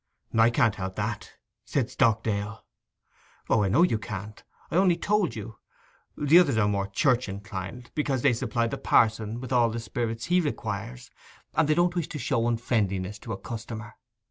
'I can't help that,' said Stockdale. 'O, I know you can't. I only told you. The others are more church inclined, because they supply the pa'son with all the spirits he requires, and they don't wish to show unfriendliness to a customer.